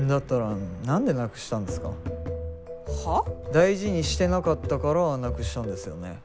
大事にしてなかったからなくしたんですよね。